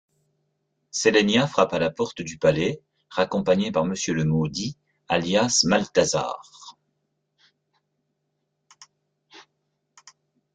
Sélénia frappe à la porte du palais, raccompagnée par M le maudit, alias Maltazard.